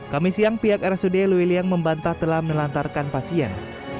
kamis yang pihak rsud lewiliang membantah telah melantarkan pasien